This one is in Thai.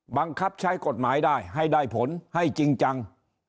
บังคับใช้กฎหมายได้ให้ได้ผลให้จริงจัง